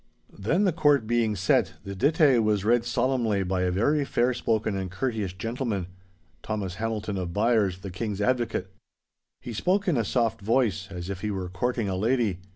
Then the court being set, the dittay was read solemnly by a very fair spoken and courteous gentleman, Thomas Hamilton of Byres, the King's advocate. He spoke in a soft voice as if he were courting a lady.